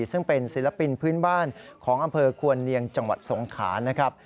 ซึ่งเป็นศิลปินพื้นบ้านของอำเภอควรเนียงจังหวัดสงขานะครับ